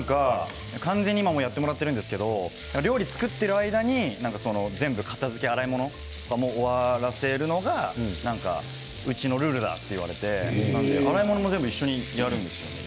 今もうやってもらってるんですけども料理を作っている間に片づけや洗い物を終わらせるのがうちのルールだって言われて洗い物も全部一緒にやるんですよ。